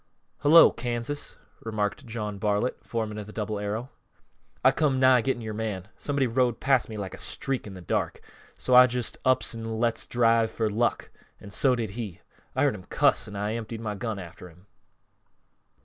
"Hullo, Kansas," remarked John Bartlett, foreman of the Double Arrow. "I come nigh getting yore man; somebody rode past me like a streak in th' dark, so I just ups an' lets drive for luck, an' so did he. I heard him cuss an' I emptied my gun after him."